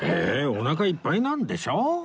お腹いっぱいなんでしょ？